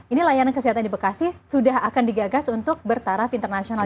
ini layanan kesehatan di bekasi sudah akan digagas untuk bertaraf internasional